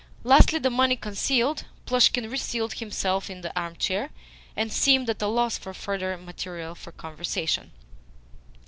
Lastly, the money concealed, Plushkin re seated himself in the armchair, and seemed at a loss for further material for conversation.